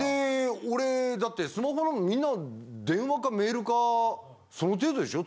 俺だってスマホみんな電話かメールかその程度でしょ？